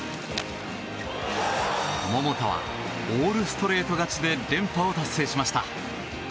桃田はオールストレート勝ちで連覇を達成しました。